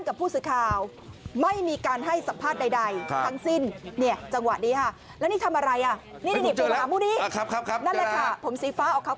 ครับค่ะนั่นแหละค่ะผมสีฟ้าเอาขาวเนี่ย